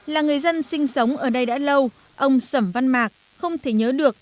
là người dân sinh sống ở đây đã lâu ông sẩm văn mạc không thể nhớ được